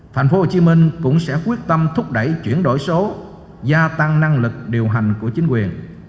tp hcm cũng sẽ quyết tâm thúc đẩy chuyển đổi số gia tăng năng lực điều hành của chính quyền